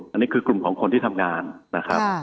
อันนี้คือกลุ่มของคนที่ทำงานนะครับ